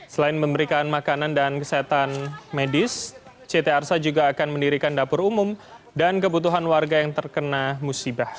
selain memberikan makanan dan kesehatan medis ct arsa juga akan mendirikan dapur umum dan kebutuhan warga yang terkena musibah